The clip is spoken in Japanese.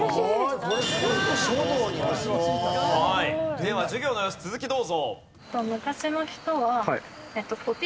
では授業の様子続きどうぞ。